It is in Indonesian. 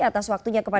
atau pak yasona